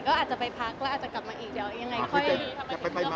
ก็อาจจะไปพักแล้วอาจจะกลับมาอีกเดี๋ยว